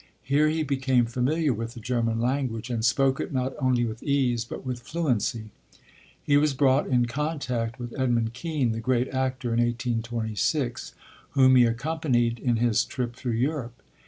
Here he became familiar with the German language and spoke it not only with ease but with fluency. He was brought in contact with Edmund Kean, the great actor, in 1826, whom he accompanied in his trip through Europe.